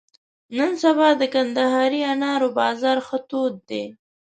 نن سبا د کندهاري انارو بازار ښه تود دی.